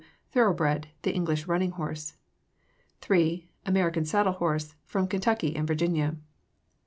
Thoroughbred, the English running horse. 3. American Saddle Horse, from Kentucky and Virginia.